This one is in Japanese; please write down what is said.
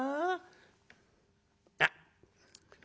あっ。